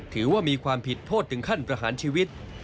ถือว่ามีความผิดโทษถึงขั้นประหารชีวิต